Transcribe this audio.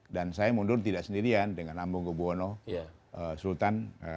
dan saya mundur tidak sendirian dengan ambung gobuono sultan